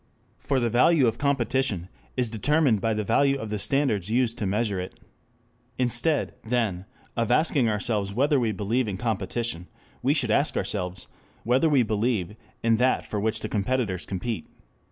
For the value of competition is determined by the value of the standards used to measure it. Instead, then, of asking ourselves whether we believe in competition, we should ask ourselves whether we believe in that for which the competitors compete.